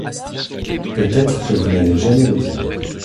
Peut être que vous n'allez jamais le dire.